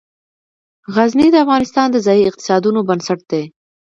غزني د افغانستان د ځایي اقتصادونو بنسټ دی.